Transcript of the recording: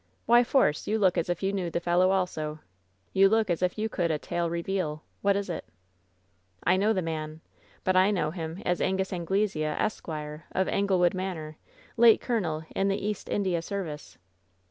"Why, Force! You look as if you knew the fellow also! You look as if you *could a tale reveal.' What is it?" "I know the man. But I know him as Angus Angle sea, Esq., of Anglewood Manor, late colonel in the East India Service."